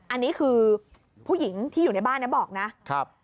อันนี้คือผู้หญิงที่อยู่ในบ้านนะบอกนะครับ